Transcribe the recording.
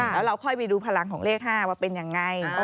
แล้วเราค่อยไปดูพลังของเลข๕ว่าเป็นยังไง